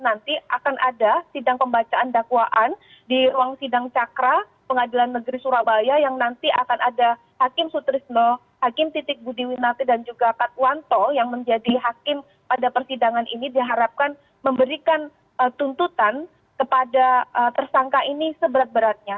nanti akan ada sidang pembacaan dakwaan di ruang sidang cakra pengadilan negeri surabaya yang nanti akan ada hakim sutrisno hakim titik budiwinati dan juga katwanto yang menjadi hakim pada persidangan ini diharapkan memberikan tuntutan kepada tersangka ini seberat beratnya